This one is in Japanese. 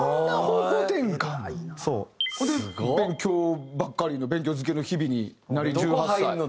ほんで勉強ばっかりの勉強漬けの日々になり１８歳。